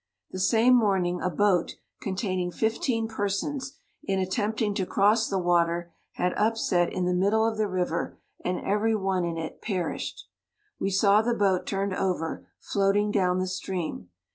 The same morning a boat, containing fifteen persons, in attempt ing to cross the water, had upset in the middle of the river, and every one in it perished. We saw the boat turned over, floating down the stream.